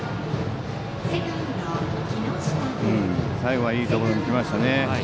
最後はいいところに行きましたね。